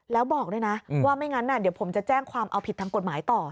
แล้วบอกด้วยนะว่าไม่งั้นเดี๋ยวผมจะแจ้งความเอาผิดทางกฎหมายต่อ